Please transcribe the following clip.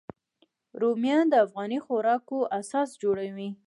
رومیان د افغاني خوراکو اساس جوړوي